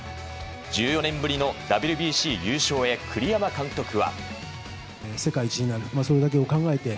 １４年ぶりのＷＢＣ優勝へ栗山監督は。